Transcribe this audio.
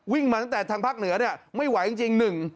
วิ่งมาตั้งแต่ทางภาคเหนือไม่ไหวจริง